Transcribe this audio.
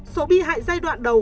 số bị hại giai đoạn đầu